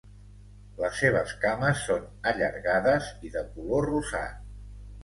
Les seves cames són allargades i de color rosat.